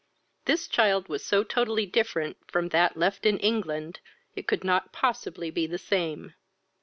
This child was so totally different from that left in England, it could not possibly be the same.